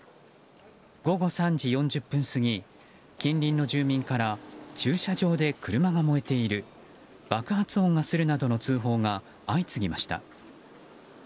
午後３時４０分過ぎ近隣の住民から駐車場で車が燃えている爆発音がするなどの通報が相次ぎました。